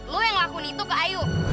lo yang lakuin itu ke ayu